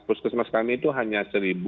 puskesmas kami itu hanya seribu